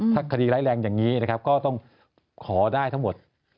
ถ้าคดีร้ายแรงอย่างนี้นะครับก็ต้องขอได้ทั้งหมด